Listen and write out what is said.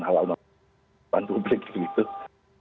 kalau tidak saya tidak akan membacakan